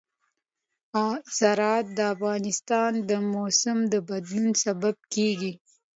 زراعت د افغانستان د موسم د بدلون سبب کېږي.